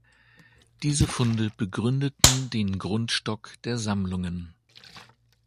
Diese Funde begründeten den Grundstock der Sammlungen.